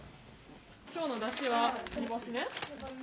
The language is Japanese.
今日のだしは煮干しね。